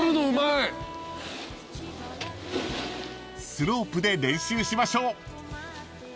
［スロープで練習しましょう］